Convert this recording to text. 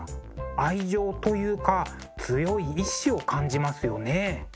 愛情というか強い意志を感じますよね。